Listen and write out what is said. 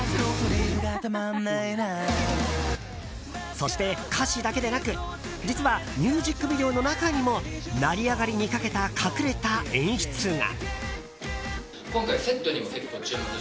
そして歌詞だけでなく実はミュージックビデオの中にも成り上がりにかけた隠れた演出が。